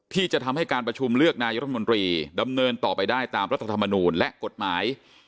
ที่จะทำให้การประชุมเลือกนายรัฐมนตรีดำเนินต่อไปได้ตามรัฐธรรมนูลและกฎหมาย